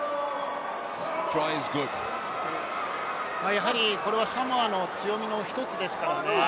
やはりこれはサモアの強みの１つですからね。